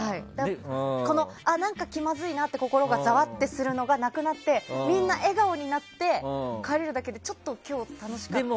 何か気まずいなって心がざわってするのがなくなってみんな笑顔になって帰るだけで今日、楽しかったなって。